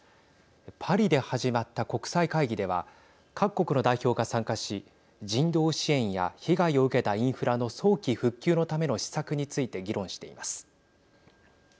パリで始まった国際会議では各国の代表が参加し人道支援や被害を受けたインフラの早期復旧のための施策について議論しています。